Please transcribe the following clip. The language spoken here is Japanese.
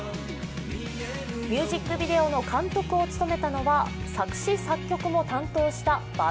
ミュージックビデオの監督を務めたのは、作詩・作曲も担当したＶａｕｎｄｙ。